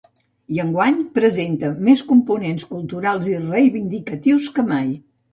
I enguany presenta més components culturals i reivindicatius que mai.